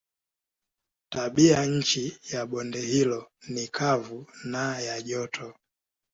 Tabianchi ya bonde hilo ni kavu na ya joto.